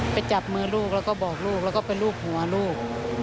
ไปจับมือลูกแล้วก็บอกลูกแล้วก็ไปรูปหัวลูก